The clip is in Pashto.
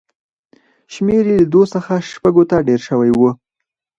شمېر یې له دوو څخه شپږو ته ډېر شوی و.